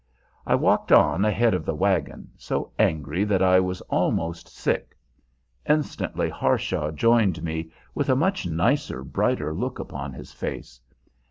I walked on ahead of the wagon, so angry that I was almost sick. Instantly Harshaw joined me, with a much nicer, brighter look upon his face.